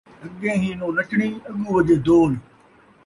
اڳیں ہی نو نچڑی اڳو وڄے دول